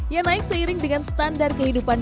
yang naik seiring dengan standar kehidupannya